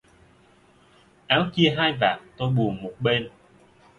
Áo chia hai vạt tôi buồn một bên!